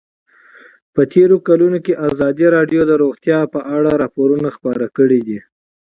په تېرو کلونو کې ازادي راډیو د روغتیا په اړه راپورونه خپاره کړي دي.